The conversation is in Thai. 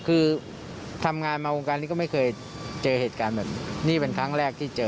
คือทำงานมาวงการนี้ก็ไม่เคยเจอเหตุการณ์แบบนี้นี่เป็นครั้งแรกที่เจอ